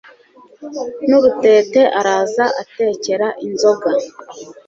nurutete araza atekera inzoga